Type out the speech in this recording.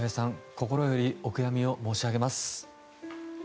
心よりお悔やみを申し上げます。